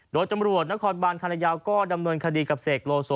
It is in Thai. โดยตำรวจนครบานคณะยาวก็ดำเนินคดีกับเสกโลโซ